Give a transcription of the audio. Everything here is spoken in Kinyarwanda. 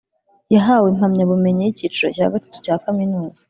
Yahawe impamyabumenyi y’icyiciro cya gatatu cya kaminuza